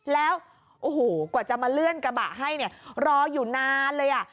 แล้วกว่าจะมาเลื่อนกระบะให้รออยู่นานเลย